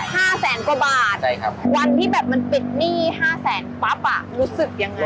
๕๐๐๐บาทกว่าบาทวันที่แบบมันเป็นปริกหนี้๕๐๐๐ปั๊บรู้สึกยังไง